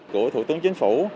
của thủ tướng chính phủ